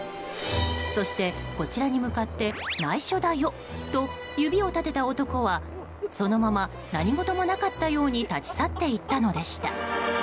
そして、こちらに向かって内緒だよと指を立てた男はそのまま何事もなかったように立ち去っていったのでした。